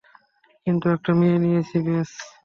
কিন্তু একটা মেয়ে নিয়েছি, ব্যস।